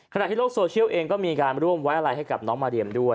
ที่โลกโซเชียลเองก็มีการร่วมไว้อะไรให้กับน้องมาเรียมด้วย